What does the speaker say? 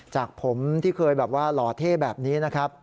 จากผมที่เคยแบบว่าหล่อเท่แบบนี้นะครับ